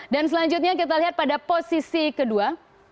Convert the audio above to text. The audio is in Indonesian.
dan selanjutnya kita lihat pada posisi kedua